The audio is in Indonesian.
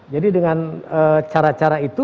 jadi dengan cara cara itu